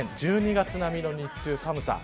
１２月並みの日中寒さ。